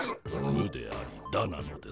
ムでありダなのです。